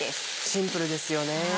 シンプルですよね。